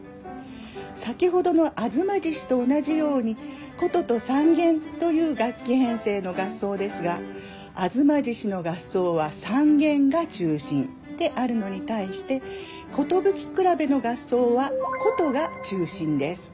先ほどの「吾妻獅子」と同じように箏と三絃という楽器編成の合奏ですが「吾妻獅子」の合奏は三絃が中心であるのに対して「寿くらべ」の合奏は箏が中心です。